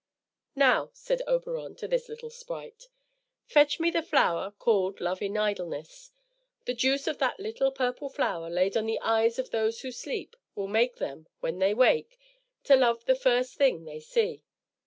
"Now," said Oberon to this little sprite, "fetch me the flower called Love in idleness. The juice of that little purple flower laid on the eyes of those who sleep will make them, when they wake, to love the first thing they see.